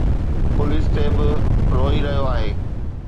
Police تي به روئي رهيو آهي.